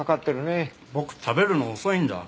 僕食べるの遅いんだ。